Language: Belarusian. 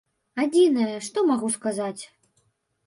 Адзінае, што магу сказаць?